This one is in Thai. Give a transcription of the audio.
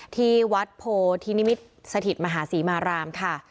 ที่วัดโพธินิมิตรสถิตมหาศรีมารามค่ะ